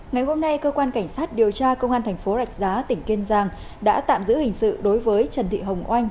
ngày hôm nay cơ quan cảnh sát điều tra công an thành phố rạch giá tỉnh kiên giang đã tạm giữ hình sự đối với trần thị hồng oanh